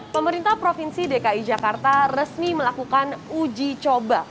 pemerintah provinsi dki jakarta resmi melakukan uji coba